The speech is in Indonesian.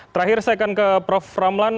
terakhir saya akan ke prof ramlan